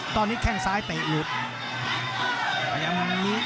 ตอนนี้แข่งซ้ายเปลี่ยนหลุด